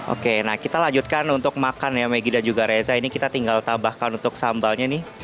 oke nah kita lanjutkan untuk makan ya maggie dan juga reza ini kita tinggal tambahkan untuk sambalnya nih